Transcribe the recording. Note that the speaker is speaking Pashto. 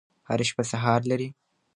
هره شپه سهار لري.